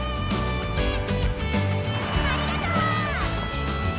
ありがとう！